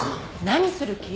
何する気？